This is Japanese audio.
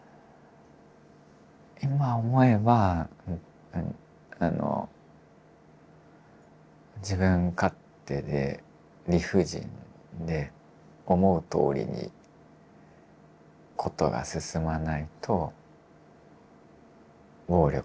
今思えば自分勝手で理不尽で思うとおりに事が進まないと暴力を振るう。